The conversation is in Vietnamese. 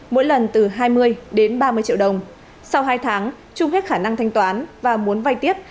mỗi lần từ hai mươi đến ba mươi triệu đồng sau hai tháng chung hết khả năng thanh toán và muốn vay tiếp